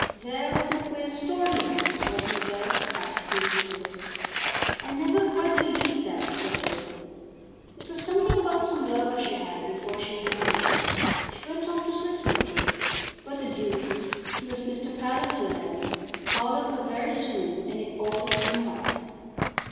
"There was a queer story once, wasn't there?" asked Mrs. Dick. "I never quite believed that," said Roby. "It was something about some lover she had before she was married. She went off to Switzerland. But the Duke, he was Mr. Palliser then, followed her very soon and it all came right."